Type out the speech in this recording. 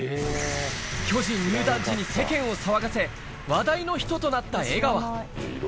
巨人入団時に世間を騒がせ、話題の人となった江川。